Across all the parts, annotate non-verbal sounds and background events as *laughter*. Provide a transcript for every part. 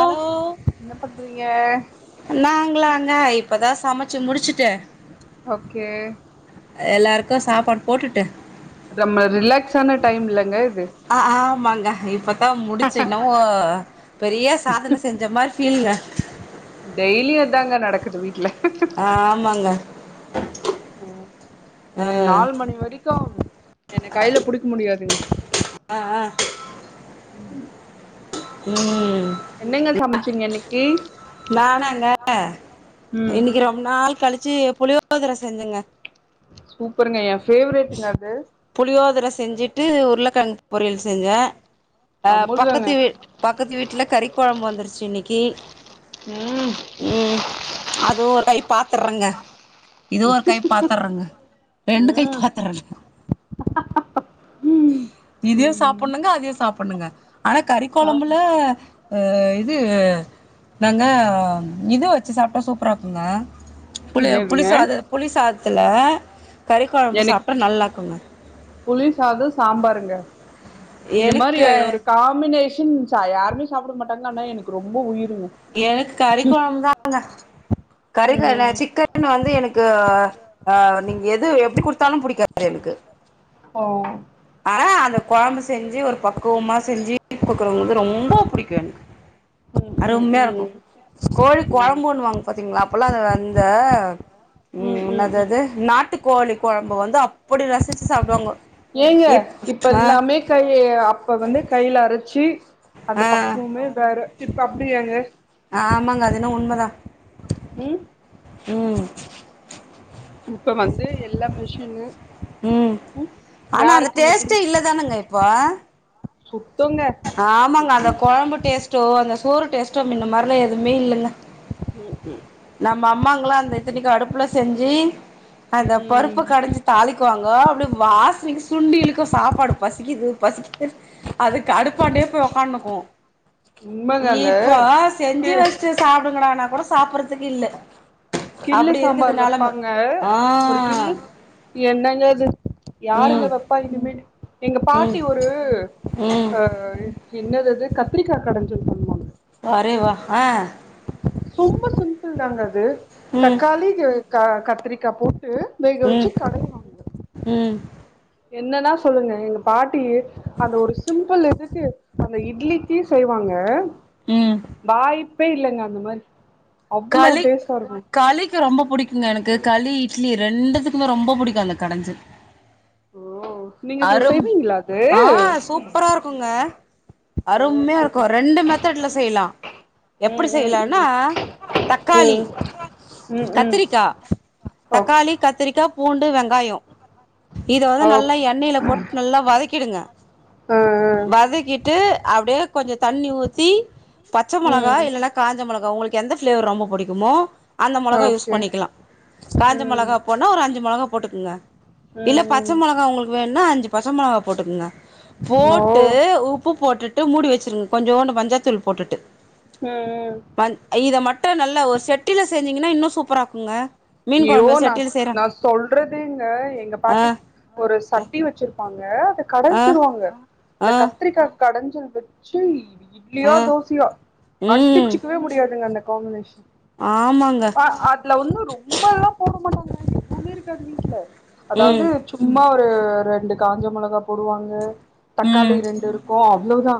Hello ன்ன பண்றீங்க நாங்களாங்க இப்பதா சமச்சு முடிச்சுட்டு ஓகே எல்லாருக்கு சாப்பாடு போட்டுட்டு நம்ம ரிலாக்ஸ் ஆன டைம்லங்க இது ஆ ஆமாங்க இப்பதா முடிச்சு என்னவோ பெரிய சாதன செஞ் சமாரி ஃபீல்ங்க டெய்லியு அதாங்க நடக்குது வீட்ல ஆமாங்க ம் ஆ நாலு மணி வரைக்கு என்னை கையில புடிக்க முடியாதுங்க ஆ ஆ ம் என்னங்க சமச்சீங்க இன்னைக்கி நானாங்க ம் இன்னைக்கி ரொம்ப நாள் கழிச்சி புளியோதர செஞ்சேங்க சூப்பருங்க ஏ ஃபேவரேட்டுங்க அது புளியோதர செஞ்சுட்டு உருளகெழங்கு பொரியல் செஞ்சே அ அமுதங்க பக்கத்து வீட் பக்கத்து வீட்ல கறி கொழம்பு வந்துருச்சு இன்னைக்கி ம் ம் அதுவு ஒரு கை பாத்துற்றங்க இதுவு ஒரு கை பாத்துற்றங்க ரெண்டு கை ம் பாத்துற்றங்க ம் இதையு ம் சாப்புட்ணுங்க அதையு சாப்புட்ணுங்க ஆனா கறி ஆ, கொழம்புல ஆ இது நாங்க இத வச்சு சாப்டா சூப்பரா இருக்குங்க புளி புளி என்னதுங்க சாத புளி சாதத்துல கறி கொழம்பு எனக்கு சாப்டா நல்லாக்குங்க புளி சாதோ சாம்பாருங்க இது மாரி எனக்கு அ ஒரு காம்பினேஷன் *unintelligible* யாருமே சாப்ட மாட்டாங்க ஆனா எனக்கு ரொம்ப உயிருங்க எனக்கு கறி கொழம்பு தாங்க கறிக்க னா ம் சிக்கன் சிக்கன் வந்து எனக்கு ஆ நீங்க எது எப்புடி குடுத்தாலு புடிக்கு ஓ ஆனா அந்த கொழம்பு செஞ்சு ஒரு பக்குவமா செஞ்சு குடுக்குறவங்களுக்கு ரொம்ப புடிக்கு எனக்கு ம் ம் அருமையா இருக்கு ம் கோழி ம் கொழம்புன்னு வாங்க பாத்தீங்களா அப்பெல்லா அது அந்த ம் ம் என்னது ம் அது நாட்டுக்கோழி கொழம்பு வந்து அப்புடி ரசிச்சு சாப்புடுவாங்கோ ஏங்க இப்ப எல்லாமே கை அப்ப வந்து கையில அரச்சு அந்த ஆ பக்குவமே வேற இப்ப அப்டியாங்க ஆமாங்க அதுன்ன உண்மதா ம் ம் இப்ப வந்து எல்லா மிஷின்னு ம் ஆனா அந்த யாருக்குங்க டேஸ்ட்டே இல்லதானுங்க இப்போ சுத்தோங்க ஆமாங்க அந்த கொழம்பு டேஸ்ட்டோ அந்த சோறு டேஸ்ட்டோ முன்ன மாரில எதுவுமே இல்லங்க ம் ம் நம்ம அம்மாங்கல்லா அந்த இத்தனைக்கு அடுப்புல செஞ்சு அந்த ம் பருப்பு கடஞ்சு தாளிக்குவாங்க அப்புடி வாசனைக்கு சுண்டி இலுக்கு சாப்பாடு பசிக்கிது பசிக்கிது அதுக்கு அடுப்பாண்டே போயி உக்கானுக்குவோ உண்மங்க அந்த இப்ப செஞ்சு கே வச் சு சாப்டுங்கடானா கூட சாப்புட்றதுக்கு இல்ல கிள்ளு அப்டி இருக்குது சாம்பார் நெலம வெப்பாங்க ஒரு கிள்ளு ஆ என்னங்க அது யாருங்க ம் வெப்பா இனிமேட்டு எங்க ம் பாட்டி ஒ ரு ம் ஆ என்னது அது கத்திரிக்கா கடஞ்சு வெப்பாங்க வாரே வா ஆ சும்மா சிம்பிள் தாங்க அது ம் தக்காளி க கத்திரிக்கா போட்டு வேக வெச்சு கடயனு உம் என்னன்னா சொல்லுங்க எங்க பாட்டி அந்த ஒரு சிம்பிள் இதுக்கு அந்த இட்லிக்கு செய்வாங்க உம் வாய்ப்பே இல்லைங்க அந்த மாரி அவ்வளோ களி டேஸ்டா இருக்கோ களிக்கு ரொம்ப பிடிக்குங்க எனக்கு களி இட்லி ரெண்டுதுக்குமே ரொம்போ பிடிக்கோ அந்த கடஞ்சு ஓ நீங்க செ அரும் செய்வீங்களா ஆ அது சூப்பரா இருக்குங்க ஓ அருமையா இருக்கோ சூப்பர் ரெண்டு மெத்தட்ல செய்லா ம் எப்புடி செய்யலானா ம் தக்காளி ம் ம் ம் ம் கத்திரிக்கா ஓ தக்காளி கத்திரிக்கா பூண்டு வெங்காயோ இத வந்து ஓ ஆ நல்லா ஆ எண்ணெயில போட்டு நல்லா வதக்கிடுங்க வதக்கிட்டு அப்படியே கொஞ்சோ தண்ணி ஊத்தி பச்ச மொளகா ம் இல்லன்னா காஞ்ச மொளகா உங்குளுக்கு எந்த ஃப்ளேவர் ரொம்ப பிடிக்குமோ அந்த மொளகா யூஸ் ஓகே பண்ணிக்கலா காஞ்ச ம் மொளகா போட் டோனா ஒரு அஞ்சு மொளகா போட்டுக்கங்க ம் இல்ல பச்ச ம் மொளகா உங்குளுக்கு வேணுனா அஞ்சு பச்ச மொளகா போட்டுக்குங்க ஓ போட்டு உப்பு போட்டுட்டு மூடி வெச்சிருங்க கொஞ்சோண்டு மஞ்சாத்தூள் போட்டுட்டு ம் ம் ம இத மட்டு நல்ல ஒரு செட்டில செஞ்சீங்கன்னா இன்னு சூப்பரா இருக்குங்க மீன் யோ கொழம்பு நா செட்டில நா செய்றாங்க சொல்றதுங்க எங்க ஆ பாட்டி ஒரு சட்டி வெச்சிருப்பாங்க அத ஆ கடஞ்சிருவாங்க இந்த ஆ கத் திரிக்கா கடஞ்சல் வெச்சு ஆ இட்லியோ தோசயோ ம் அடுச்சுக்கவே முடியாதுங்க அந்த காமினேசன் ஆ ஆமாங்க அதுல வந்து ரொ ம்பலா போட மாட்டாங்கக எப்பவுமே இருக்காது வீட்ல அதாவது ம் சும்மா ஒரு ரெண்டு காஞ்ச மொளகா போடுவாங்க தக்காளி ம் ரெண்டு இருக்கோ அவ்ளோதா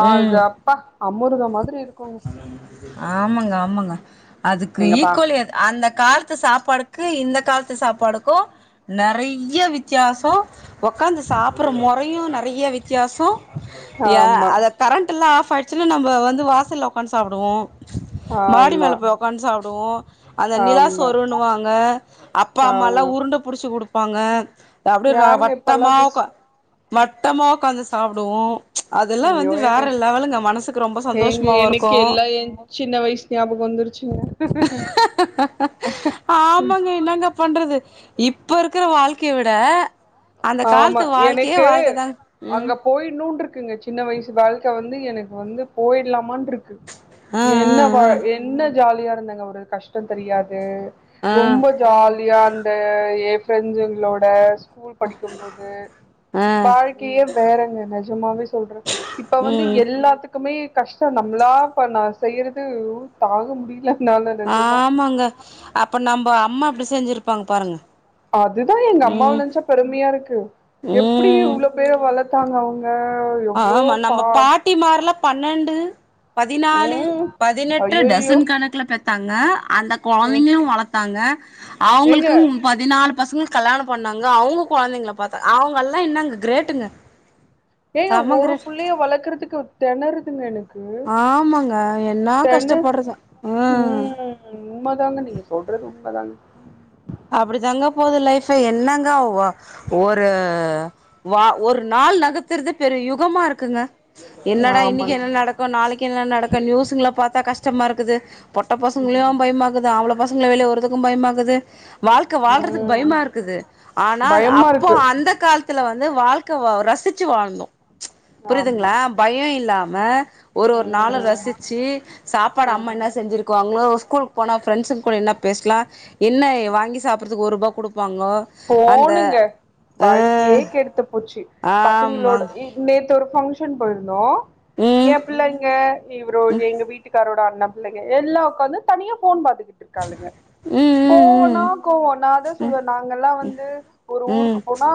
ஆ அது ம் அப்பா அம்முருத மாதிரி இருக்கோங்க ஆமாங்க ஆமாங்க அதுக்கு எங்கப்பா ஈக்குவல் எத அந்த காலத்து சாப்பாடுக்கு இந்த காலத்து சாப்பாடுக்கோ நறைய வித்தியாசோ ஒக்காந்து சாப்புட்ற முறையு நறைய வித்தியாசோ ஏ ஆமா அத கரண்ட்டுல்லா ஆஃப் ஆயிட்ச்சுன்னா நம்ம வந்து வாசல்ல ஒக்காந்து சாப்டுவோ மாடி ஆமா மேல போய் ஒக்காந்து சாப்டுவோ அந்த நிலா ஆமா சோறுன்னுவாங்க அப்பா அம்மாலா ஆமா உருண்ட புடிச்சு குடுப்பாங்க அப்டியே ர யாருங்க இப்பல்லா வட்டமா திஸ் ஒக்க வட்டமா ஒக்காந்து சாப்டுவோ அதெல்லா ஐயோ வந்து வேற என்னை லெவலுங்க மனசுக்கு ரொம்ப சந்தோஷமாவோ இருக் கெல்லா ஏ சின்ன வயசு ஞாபகோ வந்துருச்சுங்க இப்ப என்னங்க பண்றது இப்ப இருக்குற வாழ்க்கய விட அந்த கால்த்து வாழ்க்கயே வாழ்க்க தாங்க ம் போயிட்ணோனு இருக்குங்க சின்ன வயசு வாழ்க்க வந்து எனக்கு வந்து போயிடலாமான்னு இருக்கு ஆ என்ன ஆ வாழ் என்ன ஜாலியா இருந்தங்க ஒரு கஷ்டோ தெரியாது ஆ ரொம்ப ஜாலியா அந்த ஏ ஃப்ரெண்ட்ஸ்களோட ஸ்கூல் படிக்கும்போது ஆ ஆ வாழ்க்கயே வேறங்க நிஜமாவே சொல்ற இப்ப வந்து ம் எல்லாத்துக்குமே கஷ்டோ நம்மளா இப்ப நா செய்யறது அய்யோ தாங்க முடியுல ஆமாங்க அப்ப நம்ப அம்மா எப்டி செஞ்சிருப்பாங்க பாருங்க அதுதா எங்க அம்மாவ ம் நென்ச்சா பெருமையா இருக்கு எப்டி ம் இவ்ளோ பிள்ளை வளத்தாங்க அவங்க ஆ எவ்ளோ ஆமா நம்ப பா பாட்டி மார்ல பன்னெண்டு பதினாலு ம் பதினெட்டு ஐயோயோ டசன் கணக்கல பெத் தாங்க அந்த ம் கொழந்தைங்களை வளத்தாங்க ஏங்க அவங்களுக்கு பதினாலு பசங்களுக்கு கல்யாண பண்ணாங்க அவங்க குழந்தைங்கால பாத்தாங்க அவங்கல்லா இன்னு கிரேட்டுங்க ஏங்க செம ஒரு கிரேட் புள்ளையை வளக்குறதுக்கு திணறதுங்க எனக் ஆமாங்க என்ன கஷ்டப்படுறது ம் உண்மை தாங்க நீங்க சொல்றது உண்மை தாங்க அப்டி தங்க போது லைஃப் என்னங்க ஒரு வா ஒரு நாள் நகத்துறது பெரிய யுகமா இருக்குங்க என்னடா இன்னைக்கு ஆமாங்க என்ன நடக்கு நாளைக்கு என்ன நடக்கு நியூஷ்ங்கலா பாத்தா கஷ்டமா இருக்குது பொட்ட பசங்களையு ம் பயமாக்குது அம்பல பசங்களையு வெளில உடுறதுக்கு பயமாயிக்குது வாழ்க்கை வாழ்றதுக்கு ம் பயமா இருக்குது ஆனால் பயமா அப்போ இருக்கு அந்த காலத் துல வந்து வாழ்க்கை ரசிச்சு வாழ்னு ஆமா புரியுதுங்களா பய இல்லாம ஒரு ஒரு நாளு ம் ரசிச்சு சாப்பாடு அம்மா என்ன ம் செஞ்சுருக்குவாங்களோ ஸ்கூல்க்கு போனா பிரண்ட்ஸ்ங்க கூட என்ன பேசலா என்ன வாங்கி சாப்புற்றதுக்கு ஒருரூபா கொடுப்பாங்கள போனுங்க வாழ்க்கையே கெடுத்து போச்சு ஆமா பசங்களோட நேத்து ஒரு பங்க்ஷன் போயிருந்தோ ம் ஏப்புள்ளைங்க இவரே எங்க வீட் விட்டுக்காரோட அண்ண பிள்ளைங்க எல்லா உக்காந்து தனியா போன் பாத்துக்கிட்டு இருக்காளுங்க ம் கோவனா ம் ம் கோவ நா அதா சொல்லுவே நாங்கல்லா வந்து ஒரு ஊருக்கு ம் போனா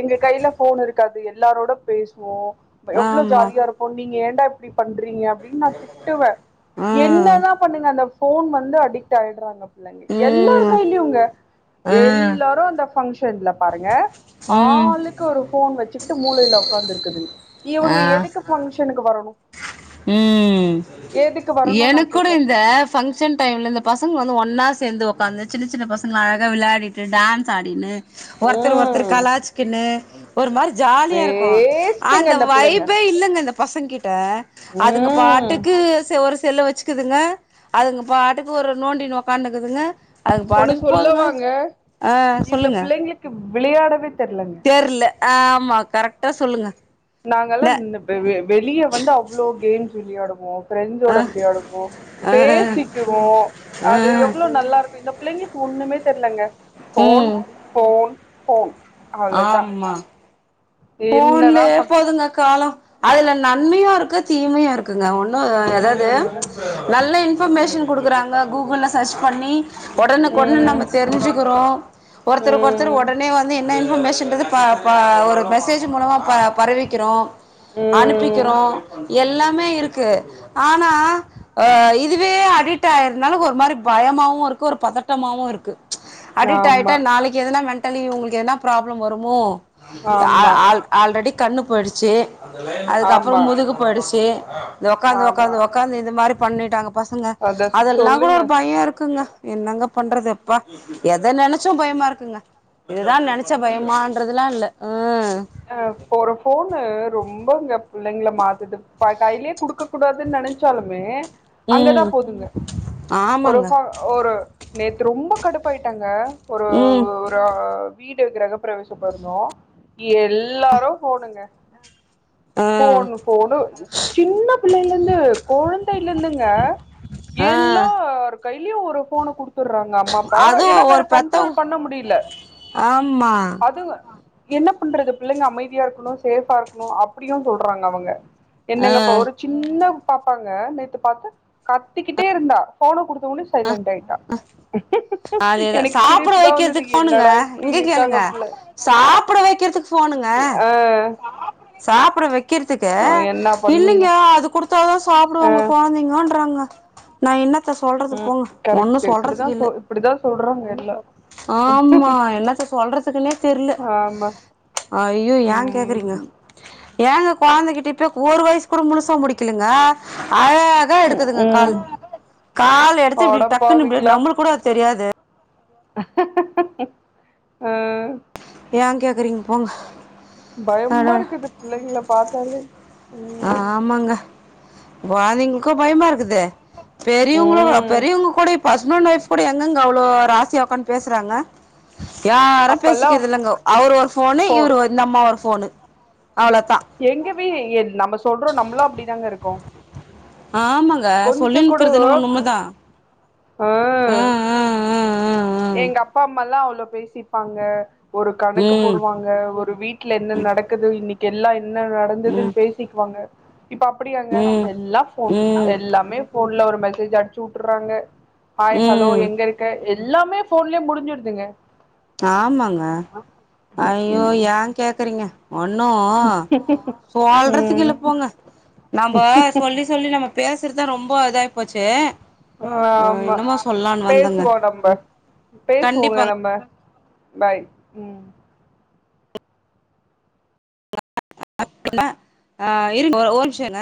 எங்க கையில போன் இருக்காது எல்லாரோட பேசுவோ எவ்வளவு ஆமா ஜாலியா இருப்போ நீங்க ஏண்டா இப்புடி பண்றீங்க அப்டின்னு நா திட்டுவே ஆ என்னத பண்ணுங்க அந்த போன் வந்து அடிக்ட் ஆயிடுறாங்க பிள்ளைங்க எல்லாரு ம் கையிலையுங்க ஆ எல் பங்க்ஷன்ல பாருங்க ம் ஆளுக்கு ஒரு போன் வச்சுக்கிட்டு முலையில உக்காந்து இருக்குதுக இவங்க ஆ எதுக்கு பங்கக்ஷனுக்கு வரணு ம் எதுக்கு வரணு நா எனக்கு கூட இந்த கேக்குறே பங்க்ஷன் டைமிம்மில இந்த பசங்க வந்து ஒன்னா சேந்து உக்காந்து சின்ன சின்ன பசங்களா அழகாக விளையாடிட்டு டான்ஸ் ஆடின்னு ஒருத்தர் ஒருத்தர் ம் கலாச்சுக்குனு ஒரு மாரி ஜாலியா இருக்கு வேஸ்ட்டுங்க அந்த இந்த பிள்ளைங்க வைப்பே இல்லங்க இந்த பசங்க கிட்ட அதுங்க ம் பாட்டுக்கு ஒரு செல் வச்சு யிக்குதுங்க அதுங்க பாட்டுக்கு ஒரு நொட்டிட்டு உக்காந்துக்குதுங்க அதுங்க ஒண்ணு பாட்டுக்கு போதுங்க சொல்லுவாங்க ஆ சொல்லுங்க ஏ விளையாடவே தெர்லங்க தெர்ல ஆமா கரெக்டா சொல்லுங்க நாங்கல்லா ந இந்த வெ வெ வெளிய வந்த அவ்வளோ கேம்ஸ் விளையாடுவோ ப்ரெண்ட்ஸோட ஆ விளையாடுவோ ஆ பேசிக்குவோ அது ஆ எவ்வளவு நல்லா இருக்கு இந்த பிள்ளைங்க ஒண்ணுமே தெர்லங்க போன் ம் போன் போன் ஆமா என்னதா போன்லேயே பண் போதுங்க கால அதுல நன்மையு இருக்கு தீமையு இருக் குங்க ஒன்னு அதாது ம் நல்ல இன்ஃபர்மேஷன் கொடுக்குறாங்க கூகுல்லா சர்ச் பண்ணி உடனுக்குடனே ம் நம்ம தெரிஞ்சுக்கிறோ ஒருத்தருக்கு ஒருத்தர் ம் உடனே வந் து என்ன இன்ஃபர்மேஷன்றது பா பா ஒரு மெசேஜ் மூலமா பா பரவிக்கிறு அனுப்பிக்கிறோ ம் எல்லாமே இருக்கு ஆனா அ இதுவே அடிட் ஆயிருந்தாலு ஒரு மாரி பயமாவு இருக்கு ஒரு பதட்டமாவு இருக்கு அடிட் ஆயிட்டா ஆமா நாளைக்கு எதுனா மென்டலி உங்களுக் எதுனா ப்ராப்ளம் வருமோ அ ஆமா ஆல் ஆல்ரெடி கண்ணு போயிடுச்சு அதுக்கு ஆமா அப்பறம் முதுகு போயிடுச்சு இது உக்காந்து ஆமா உக்காந்து உக்காந்து இந்த மாரி பண்ணிட்டாங்க பசங்க அத அதெல்லா கூட சொல்லுங்க ஒரு பய்ய இருக்குங்க என்னங்க பண்றது அப்பா எத நெனச்சு பயமா இருக்குங்க இதுதா நெனச்சா பயமான்றதுலா இல்ல ம் அ ஒரு ஃபோன்னு ரொம்ப இங்க பிள்ளைங்கள மாத்துது கையிலயே குடுக்க கூடாதுன் நெனச்சாலுமே ம் அங்கதா போதுங்க ஒரு ஆமாங்க ஃப ஒரு நேத்து ரொம்ப கடுப்பாயிட்டேங்க ஒரு ம் ஒரு வீடு கிரகபிரவேச பண்ணோ எல்லாரு போணுங்க ஆ ஃபோன்னு ஃபோன்னு சின்ன பிள்ளைளந்து கொழந்தையிலிருந்துங்க ஆ எல்லார் கைலியு ஒரு ஃபோன்ன குடுத்துற்றாங்க அம்மா அப்பா அதுவு ஏன்னா வேற ஒரு பெத்தவ் கண்ட்ரோல் பண்ண முடியில ஆமா அது என்ன பண்றது பிள்ளைங்க அமைதியா இருக்கணு சேஃபா இருக்கணு அப்படியு சொல்றாங்க அவங்க ஆ என்னங்கப்போ ஒரு சின்ன பாப்பாங்க நேத்து பாத்த கத்திக்கிட்டே இருந்தா ஃபோன குடுத்த உன்னே சைலன்ட் ஆய்ட்டா அதேதா எனக்கு சாப்புட சிரிப்பு தா வந்தது வைக்கிறதுக்கு போனுங்க என்னடா இப்டி இங்க இருக்காங்க கேளுங்க புள்ள சாப்பிட வெக்கிறதுக் போனுங்க அ சாப்ட வெக் கிற்துக்கே பண்ணுவீங்க இல்லைங்க அது குடுத்தாதா சாப்டுவாங்க கொழந்தைங்கோன்றாங்க நா இன்னத்த சொல்றது போங்க ஒன்னு சொல்றதுக் இல்லே அப்டிதா சொல்றாங்க எல்லா ஆமா என்னத்த சொல்றதுக்குன்னே தெர்லே ஆமா ஐயோ ஏங் கேக்குறீங்க ம் ஏங்க கொழந்தகிட்ட இப்பயே ஒரு வயசு கூட முழுசா முடிக்கலிங்க அழ கா எடுக்குதுங்க கால் ம் கால் எடுத்து இப்டி டக்குன்னு இப்டி அடப்பாவிங்களா நம்மளுக் கூட அது தெரியாது ம் ஏங் கேக்கிறிங் போங் பயம்மா இருக்குது புள்ளைங்கள பாத்தாலே ம் ஆமாங்க வாந்தைங்ளுக்கு பயமா இருக்குது பெரியுங்ளு ம் பெரியுவங்க கூட இப்ப ஹஸ்பண்ட் ஒய்ஃப் கூட எங்கேங்க அவ்ளோ ஆசையா உக்காந் பேஸ்சறாங்க யாரு அப்பல்லா பேசிக்கிறது இல்லங்கோ அவர் ஒரு ஃபோன்னு போன் இவர் ஒரு இந்தம்மா ஒரு ஃபோன்னு அவ்ளதா எங்க வீ என் நம்ம சொல்றோ நம்மளு அப்டிதாங்க இருக்கோ ஆமாங்க கொஞ்ச கூட சொல்லினுக்கிறது என்னமோ உண் உண்மதா ஆ ம் ம் எங்க அப்பா அம்மா எல்லா அவ்ளோ பேசிப்பாங்க ஒரு கணக்கு ம் போடுவாங்க ஒரு வீட் ல என்ன நடக்குது இன்னைக்கு எல்லா என்ன நடந்ததுன் ம் பேசிக்குவாங்க இப்ப அப்படியாங்க ம் எல்லா ஃபோன் ம் எல்லாமே ஃபோன்ல ஒரு மெசேஜ் அன்ச்சு உட்றாங்க ஹாய் ஹலோ ம் எங்க இருக்கே எல்லாமே போன்லே. முடிஞ்சுடுதுங்க ஆமாங்க அய்யோ ம் ஏ கேக்குறீங்க ஒன்னு சொல்றதுக் இல்ல ம் போங்க நம்ப சொல்லி சொல்லி நம்ம பேசுறதா ரொம்ப இதாய்ப்போச்சு ஆ ஆமா பேசுவோ நம்ப பேசுவோங்க கண்டிப்பாங்க நம்ப பாய் ம் *inaudible* ஆ இருங்க ஒரு நிமிஷ இருங்க.